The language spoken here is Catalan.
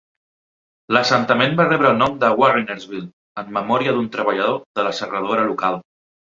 L'assentament va rebre el nom de Warrinersville, en memòria d'un treballador de la serradora local.